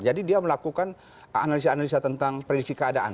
jadi dia melakukan analisa analisa tentang prediksi keadaan